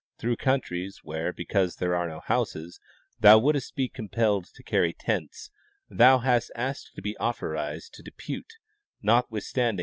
through countries wdiere, because there are no houses, thou wouldst be compelled to carry tents, thou hast asked to be authorized to depute, notwithstanding the 28— Nat.